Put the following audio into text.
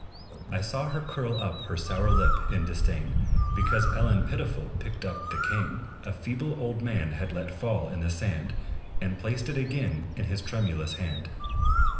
I saw her curl up her sour lip in disdain, Because Ellen Pitiful picked up the cane, A feeble old man had let fall in the sand, And placed it again in his tremulous hand.